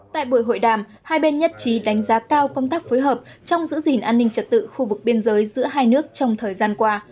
tại buổi hội đàm hai bên nhất trí đánh giá cao công tác phối hợp trong giữ gìn an ninh trật tự khu vực biên giới giữa hai nước trong thời gian qua